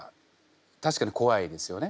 確かにこわいですよね。